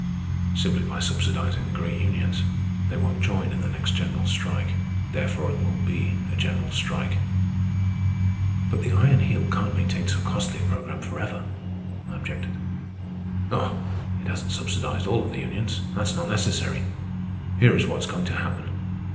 "Simply by subsidizing the great unions. They won't join in the next general strike. Therefore it won't be a general strike." "But the Iron Heel can't maintain so costly a programme forever," I objected. "Oh, it hasn't subsidized all of the unions. That's not necessary. Here is what is going to happen.